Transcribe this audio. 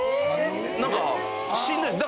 何かしんどいんです。